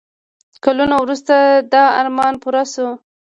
کلونه وروسته دا ارمان پوره شو.